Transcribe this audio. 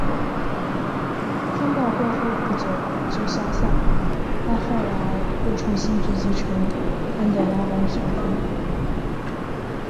风暴过后不久就消散了，但后来又重新聚集成安得拉邦旋风。